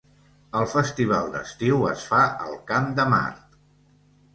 El festival d'estiu es fa al Camp de Mart.